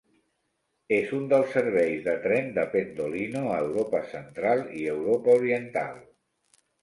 És un dels serveis de tren de Pendolino a Europa Central i Europa Oriental.